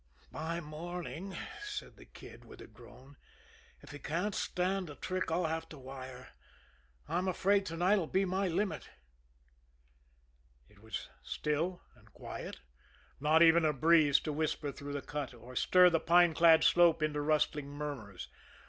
"By morning," said the Kid, with the moan, "if he can't stand a trick I'll have to wire. I'm afraid to night 'll be my limit." It was still and quiet not even a breeze to whisper through the cut, or stir the pine clad slope into rustling murmurs.